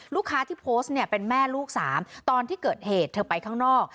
ลูกค้าที่โพสต์เนี่ยเป็นแม่ลูกสามตอนที่เกิดเหตุเธอไปข้างนอก